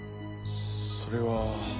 それは。